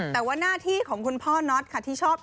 แต่ว่าหน้าที่ของคุณพ่อน็อตค่ะ